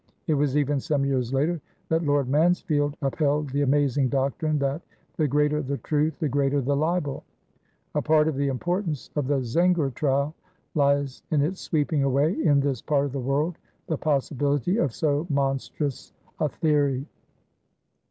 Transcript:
It was even some years later that Lord Mansfield upheld the amazing doctrine that "the greater the truth the greater the libel." A part of the importance of the Zenger trial lies in its sweeping away in this part of the world the possibility of so monstrous a theory.